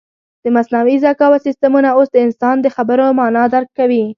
د مصنوعي ذکاوت سیسټمونه اوس د انسان د خبرو مانا درک کوي.